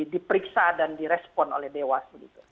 diperiksa dan direspon oleh dewas